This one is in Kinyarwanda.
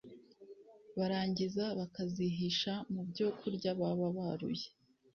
barangiza bakazihisha mu byo kurya baba baruye